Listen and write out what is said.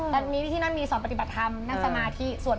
ได้รู้จักพี่ชายด้วย